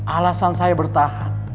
alasan saya bertahan